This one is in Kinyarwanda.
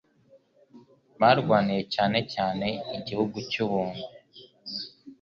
barwaniye cyane cyane igihugu cy'u Bungwe.